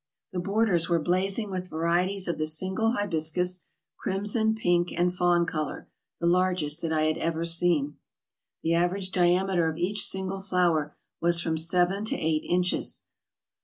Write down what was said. The borders were blazing with varieties of the single hibiscus, crimson, pink, and fawn color, the largest that I had even seen. The average diameter of each single flower was from seven to eight inches.